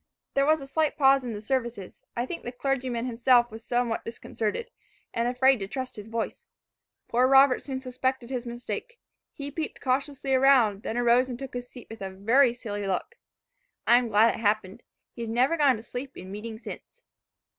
There was a slight pause in the services, I think the clergyman himself was somewhat disconcerted, and afraid to trust his voice. Poor Robert soon suspected his mistake. He peeped cautiously around, then arose and took his seat with a very silly look. I am glad it happened. He has never gone to sleep in meeting since."